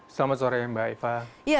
selamat sore mbak eva